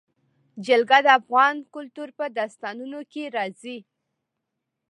جلګه د افغان کلتور په داستانونو کې راځي.